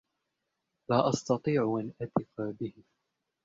لا أستطيع أن أثق به.